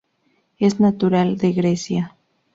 Es natural de Grecia.